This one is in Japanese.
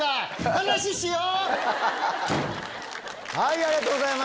話しよう！